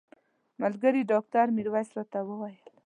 ملګري ډاکټر میرویس راته وویل.